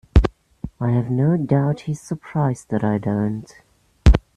I have no doubt he is surprised that I don't.